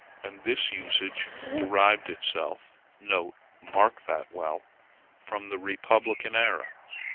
And this usage derived itself (mark that well!) from the republican era.